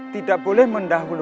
tidak boleh mendahulukan itu